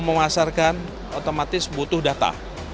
memasarkan otomatis butuh data